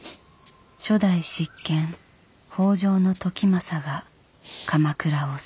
初代執権北条時政が鎌倉を去る。